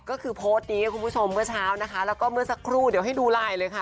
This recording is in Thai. ก็คือโพสต์นี้คุณผู้ชมเมื่อเช้านะคะแล้วก็เมื่อสักครู่เดี๋ยวให้ดูไลน์เลยค่ะ